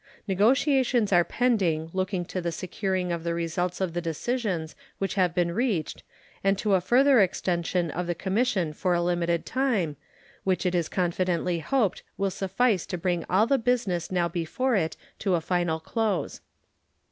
Negotiations are pending looking to the securing of the results of the decisions which have been reached and to a further extension of the commission for a limited time, which it is confidently hoped will suffice to bring all the business now before it to a final close.